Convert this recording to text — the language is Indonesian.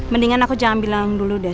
mendingan aku jangan bilang dulu deh